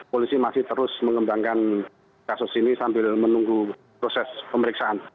polisi masih terus mengembangkan kasus ini sambil menunggu proses pemeriksaan